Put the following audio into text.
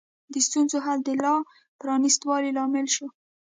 د ستونزو حل د لا پرانیست والي لامل شو.